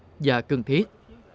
cấp bách và cấp bách